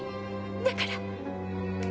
だから。